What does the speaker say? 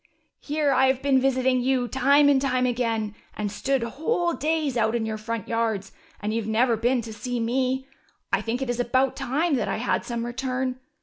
Here I have been visiting you, time and time again, and stood whole ™ nov8B. days out in your front yards, and you've never been to see me. I think it is about time that I had some re turn.